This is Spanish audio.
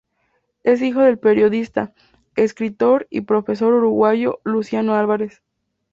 Es hijo del periodista, escritor y profesor uruguayo Luciano Álvarez.